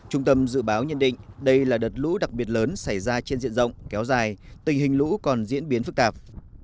trung tâm dự báo nhận định đây là đợt lũ đặc biệt lớn xảy ra trên diện rộng kéo dài tình hình lũ còn diễn biến phức tạp